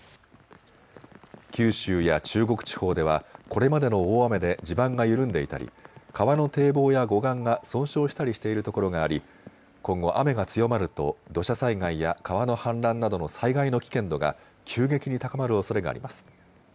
九州や中国地方ではこれまでの大雨で地盤が緩んでいたり川の堤防や護岸が損傷したりしているところがあり今後、雨が強まると土砂災害や川の氾濫などの災害の危険度が急激に高まるおそれがあります。